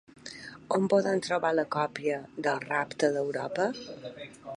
On podem trobar la còpia del Rapte d'Europa?